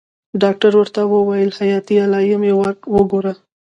ډاکتر ورته وويل حياتي علايم يې وګوره.